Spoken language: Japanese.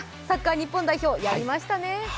サッカー日本代表、やりましたね。